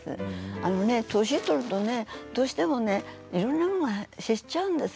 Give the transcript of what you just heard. あのね、年を取るとねどうしてもいろんなものが減っちゃうんです。